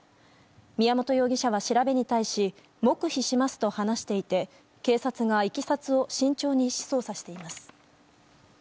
宮本容疑者は調べに対し黙秘しますと話していて警察がいきさつを慎重に捜査しています。